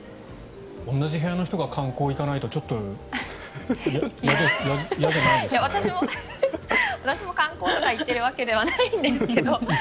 同じ部屋の人が観光に行かないと私も観光ばかり行ってるわけじゃないんですけど。